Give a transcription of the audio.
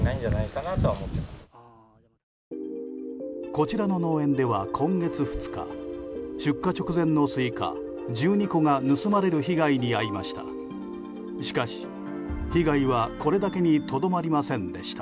こちらの農園では今月２日出荷直前のスイカ１２個が盗まれる被害に遭いました。